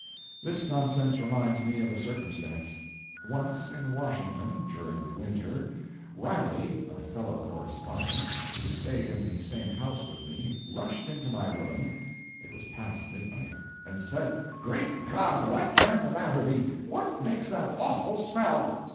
This nonsense reminds me of a circumstance. Once in Washington, during the winter, Riley a fellow correspondent, who stayed in the same house with me, rushed into my room—it was past midnight—and said, "Great God, what can the matter be! What makes that awful smell?"